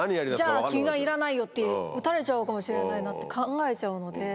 「じゃあ君はいらないよ」って撃たれちゃうかもしれないなって考えちゃうので。